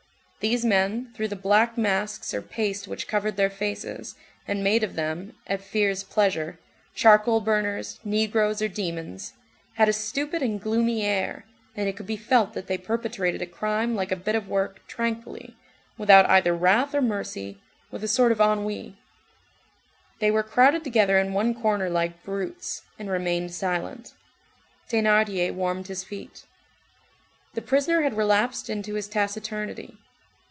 These men, through the black masks or paste which covered their faces, and made of them, at fear's pleasure, charcoal burners, negroes, or demons, had a stupid and gloomy air, and it could be felt that they perpetrated a crime like a bit of work, tranquilly, without either wrath or mercy, with a sort of ennui. They were crowded together in one corner like brutes, and remained silent. Thénardier warmed his feet. The prisoner had relapsed into his taciturnity.